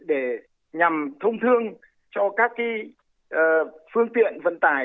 để nhằm thông thương cho các phương tiện vận tải